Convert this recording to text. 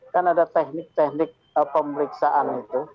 kan ada teknik teknik pemeriksaan itu